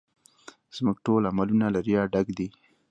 زموږ ټول عملونه له ریا ډک دي